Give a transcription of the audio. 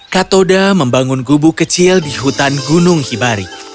kathoda membangun gubu kecil di hutan gunung hibari